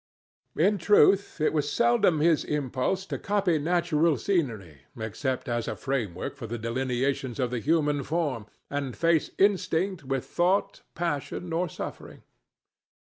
In truth, it was seldom his impulse to copy natural scenery except as a framework for the delineations of the human form and face, instinct with thought, passion or suffering.